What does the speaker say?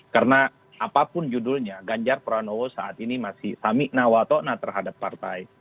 karena apapun judulnya ganjar pranowo saat ini masih samiknawato na terhadap partai